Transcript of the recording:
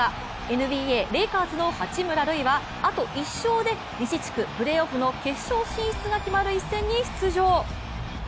ＮＢＡレイカーズの八村塁はあと１勝で西地区プレーオフの決勝進出が決まる一戦に出場。